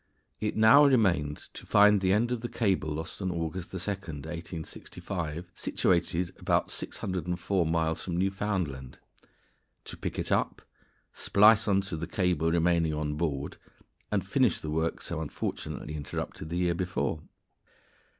_ It now remained to find the end of the cable lost on August 2, 1865, situated about 604 miles from Newfoundland, to pick it up, splice on to the cable remaining on board, and finish the work so unfortunately interrupted the year before.